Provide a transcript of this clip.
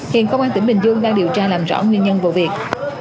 hiện công an tỉnh bình dương đang điều tra làm rõ nguyên nhân vụ việc